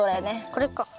これか。